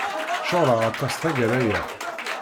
Ceɣleɣ aṭas tagara-a.